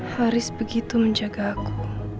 haris begitu menjaga aku